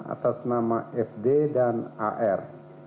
atas nama fd dan ar